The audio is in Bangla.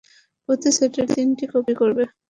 প্রতি সেটের তিনটা কপি করবে।